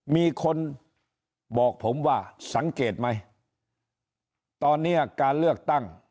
มีคนบอกผมว่าสังเกตไหมตอนนี้การเลือกตั้ง